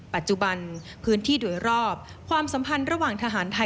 ปัจจุบันพื้นที่โดยรอบความสัมพันธ์ระหว่างทหารไทย